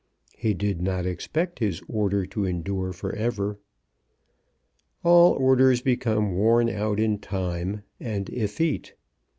He did not expect his order to endure for ever. All orders become worn out in time, and effete.